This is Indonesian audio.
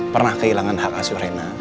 pernah kehilangan hak asuh rena